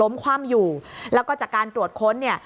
คว่ำอยู่แล้วก็จากการตรวจค้นเนี่ย